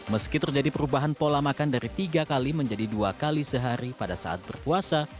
meski terjadi perubahan pola makan dari tiga kali menjadi dua kali sehari pada saat berpuasa